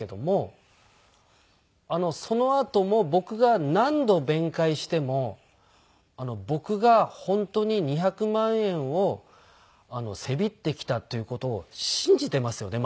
そのあとも僕が何度弁解しても僕が本当に２００万円をせびってきたっていう事を信じていますよね？